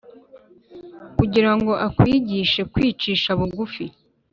kugira ngo akwigishe kwicisha bugufi